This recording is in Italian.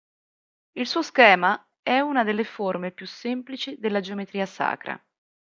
Il suo schema è una delle forme più semplici della geometria sacra.